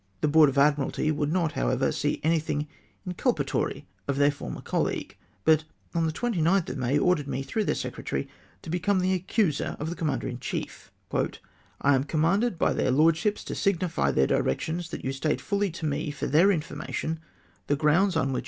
The Board of Admiralty would not, however, see anything inculpatory of their former colleague ; but, on the 29th of May, ordered me, through their secretary, to become the accuser of the commander in chief ;" I am commanded by their Lordships to signify their directions that you state fully to me, for their hiformation, the grounds on which your lordsliip * The letter in question will be foiuid at p.